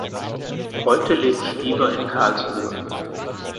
Heute lebt Stieber in Karlsruhe.